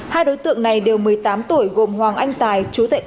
hai đối tượng này đều một mươi tám tuổi gồm hoàng anh tài chú tệ